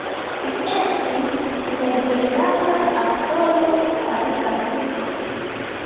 Li estis nederlanda aktoro kaj kantisto.